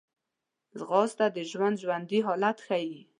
ځغاسته د ژوند ژوندي حالت ښيي